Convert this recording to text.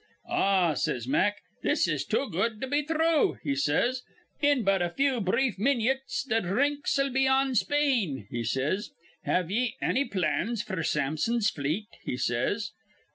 'Ah,' says Mack, 'this is too good to be thrue,' he says. 'In but a few brief minyits th' dhrinks'll be on Spain,' he says. 'Have ye anny plans f'r Sampson's fleet?' he says.